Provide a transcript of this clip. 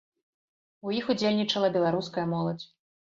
У іх удзельнічала беларуская моладзь.